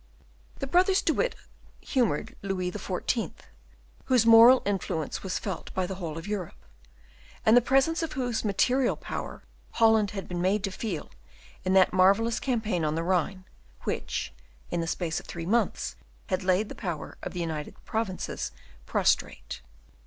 The brothers De Witt humoured Louis XIV., whose moral influence was felt by the whole of Europe, and the pressure of whose material power Holland had been made to feel in that marvellous campaign on the Rhine, which, in the space of three months, had laid the power of the United Provinces prostrate.